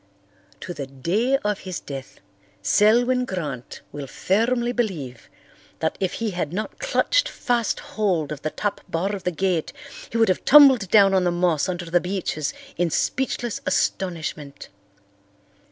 To the day of his death Selwyn Grant will firmly believe that if he had not clutched fast hold of the top bar of the gate he would have tumbled down on the moss under the beeches in speechless astonishment.